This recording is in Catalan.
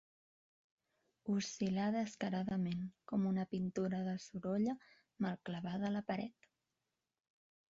Oscil·lar descaradament, com una pintura de Sorolla mal clavada a la paret.